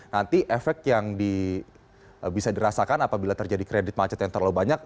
nanti efek yang bisa dirasakan apabila terjadi kredit macet yang terlalu banyak